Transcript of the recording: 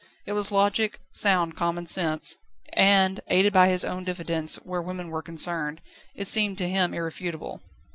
It was logic, sound common sense, and, aided by his own diffidence where women were concerned, it seemed to him irrefutable.